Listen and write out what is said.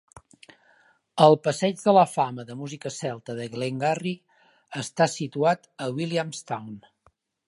El passeig de la fama de música celta de Glengarry està situat a Williamstown.